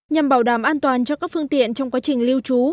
nhằm bảo đảm an toàn cho các phương tiện trong quá trình lưu trú